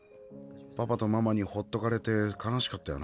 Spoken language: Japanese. パパとママにほっとかれてかなしかったよな？